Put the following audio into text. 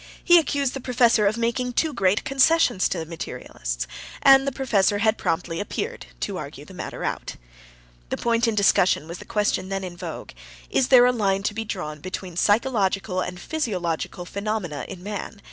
He accused the professor of making too great concessions to the materialists. And the professor had promptly appeared to argue the matter out. The point in discussion was the question then in vogue: Is there a line to be drawn between psychological and physiological phenomena in man?